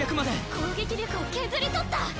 攻撃力を削り取った！